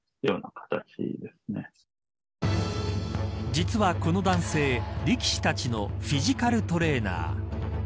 実は、この男性力士たちのフィジカルトレーナー。